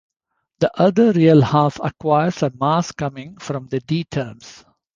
The other real half acquires a mass coming from the D-terms.